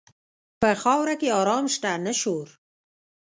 په خاوره کې آرام شته، نه شور.